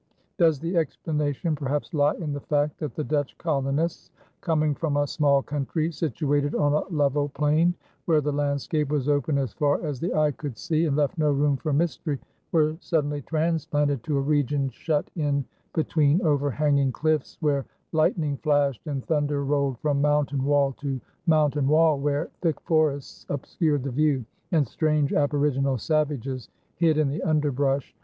Does the explanation perhaps lie in the fact that the Dutch colonists, coming from a small country situated on a level plain where the landscape was open as far as the eye could see, and left no room for mystery, were suddenly transplanted to a region shut in between overhanging cliffs where lightning flashed and thunder rolled from mountain wall to mountain wall, where thick forests obscured the view, and strange aboriginal savages hid in the underbrush?